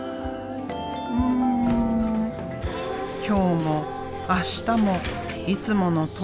今日も明日もいつものとおり。